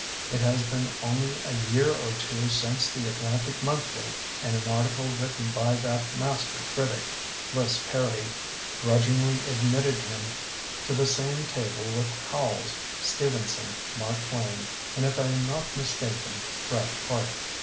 It has been only a year or two since The Atlantic Monthlsr*, in an article written by that master critic. Bliss Perry, grudgingly admitted him to the same table with Howells, Steven son, Mark Twain and, if I am not mis taken, Bret Harte.